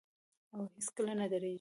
او هیڅکله نه دریږي.